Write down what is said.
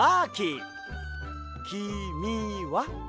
きみは？